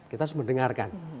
kita harus mendengarkan